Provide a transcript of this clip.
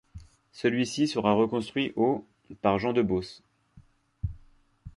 Celui-ci sera reconstruit au par Jehan de Beauce.